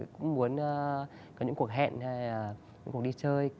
cũng muốn có những cuộc hẹn hay cuộc đi chơi